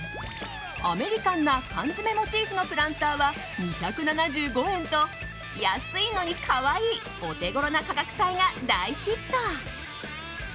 アメリカンな缶詰モチーフのプランターは２７５円と、安いのに可愛いお手ごろな価格帯が大ヒット。